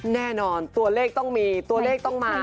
ตัวเลขต้องมีตัวเลขต้องมา